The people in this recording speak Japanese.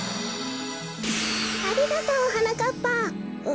ありがとうはなかっぱ。